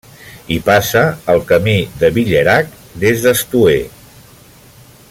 Hi passa el Camí de Villerac, des d'Estoer.